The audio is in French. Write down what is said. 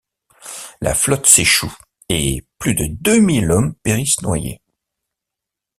La flotte s'échoue et plus de deux mille hommes périssent noyés.